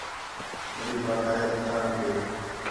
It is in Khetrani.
غریب آکھا ہِے دِھکّا نہ ݙے